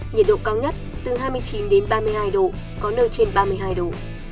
nhiệt độ cao nhất từ hai mươi chín đến ba mươi hai độ có nơi trên ba mươi hai độ